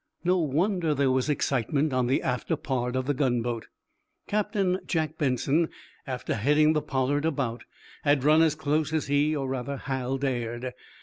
No wonder there was excitement on the after part of the gunboat. Captain Jack Benson, after heading the "Pollard" about, had run as close as he, or rather, Hal, dared.